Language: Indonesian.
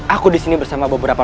aku di sini bersama beberapa